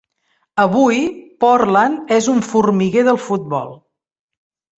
Avui, Portland és un formiguer del futbol.